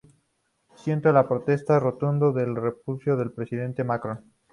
Siendo la protesta un rotundo repudio al Presidente Macron